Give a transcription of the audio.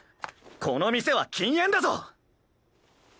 この店は禁煙だぞ！